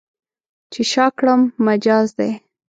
چې شا کړم، مجاز دی.